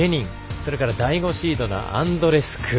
それから第５シードのアンドレスク